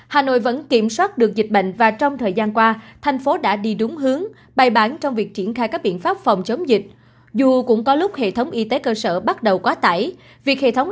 hà nội vẫn kiểm soát được dịch bệnh và trong thời gian qua thành phố đã đi đúng hướng bày bản trong việc triển khai các biện pháp phòng chống dịch